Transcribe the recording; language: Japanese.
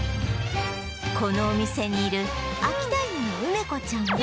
このお店にいる秋田犬の梅子ちゃんは